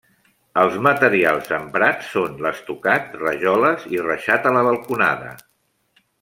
Els materials emprats són l'estucat, rajoles i reixat a la balconada.